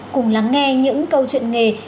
cùng lắng nghe những câu chuyện nghề